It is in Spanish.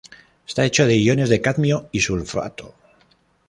Está hecho de iones de cadmio y sulfato.